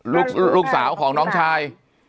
ลูกสาวของน้องชาย